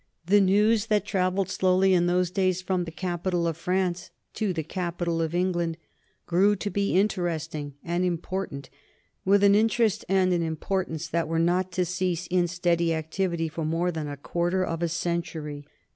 The news that travelled slowly in those days from the capital of France to the capital of England grew to be interesting and important with an interest and an importance that were not to cease in steady activity for more than a quarter of a century.